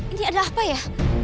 ini adalah apa ya